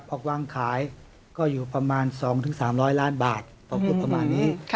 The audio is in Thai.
พอวางขายก็อยู่ประมาณ๒๓๐๐ล้านบาทพอพูดประมาณนี้